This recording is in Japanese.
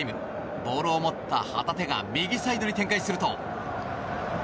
ボールを持った旗手が右サイドに展開すると。